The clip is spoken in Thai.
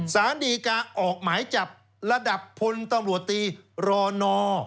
สารดีกาออกหมายจับระดับพลตำรวจตีรอนอ